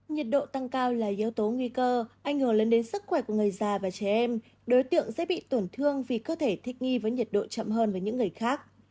nhiệt độ tăng cao là yếu tố nguy cơ ảnh hưởng lớn đến sức khỏe của người già và trẻ em đối tượng dễ bị tổn thương vì cơ thể thích nghi với nhiệt độ chậm hơn với những người khác